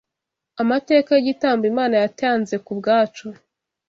amateka y’igitambo Imana yatanzekubwacu